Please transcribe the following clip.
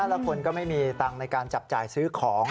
แล้วคนก็ไม่มีตังค์ในการจับจ่ายซื้อของ